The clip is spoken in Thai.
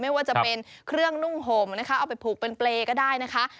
ไม่ว่าจะเป็นเครื่องนุ่งห่มนะคะเอาไปผูกเป็นเปรย์ก็ได้นะคะ